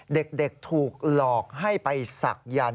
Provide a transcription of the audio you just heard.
เด็กถูกหลอกให้ไปศักยันต